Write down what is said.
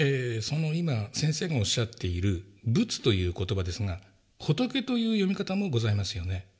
その先生がおっしゃっている「仏」という言葉ですが仏という読み方もございますよね。